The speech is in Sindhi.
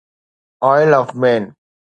oil of main